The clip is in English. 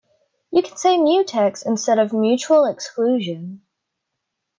You can say mutex instead of mutual exclusion.